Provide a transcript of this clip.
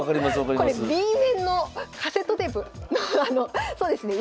これＢ面のカセットテープのそうですね